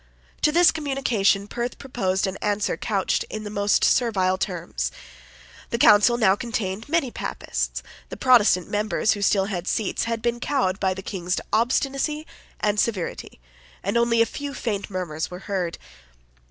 To this communication Perth proposed an answer couched in the most servile terms. The Council now contained many Papists; the Protestant members who still had seats had been cowed by the King's obstinacy and severity; and only a few faint murmurs were heard.